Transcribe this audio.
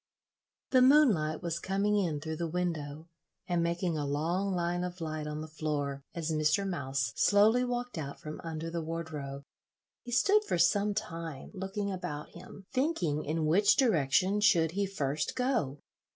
The moonlight was coming in through the window and making a long line of light on the floor as Mr. Mouse slowly walked out from under the wardrobe. He stood for some time looking about him, thinking in which direction should he first go.